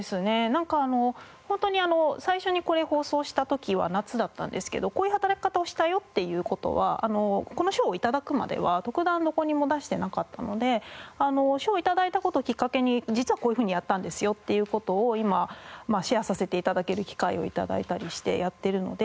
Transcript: なんかホントに最初にこれを放送した時は夏だったんですけどこういう働き方をしたよっていう事はこの賞を頂くまでは特段どこにも出してなかったので賞を頂いた事をきっかけに実はこういうふうにやったんですよっていう事を今シェアさせて頂ける機会を頂いたりしてやってるので。